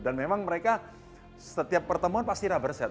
dan memang mereka setiap pertemuan pasti rubber set